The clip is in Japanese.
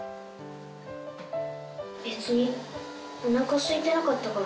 別におなかすいてなかったから。